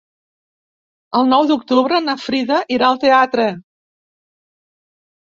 El nou d'octubre na Frida irà al teatre.